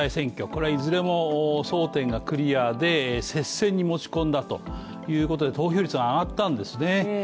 これはいずれも争点がクリアで接戦に持ち込んだということで投票率が上がったんですね。